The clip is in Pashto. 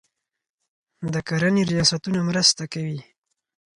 د کرنې ریاستونه مرسته کوي.